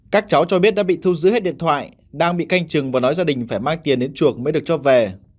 các cháu cho biết đã bị thu giữ hết điện thoại đang bị canh chừng và nói gia đình phải mang tiền đến chuộc mới được cho về